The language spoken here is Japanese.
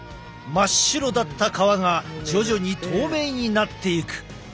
真っ白だった皮が徐々に透明になっていく。